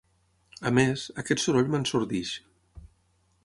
A més, aquest soroll m'ensordeix.